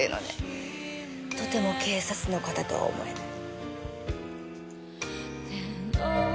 とても警察の方とは思えない。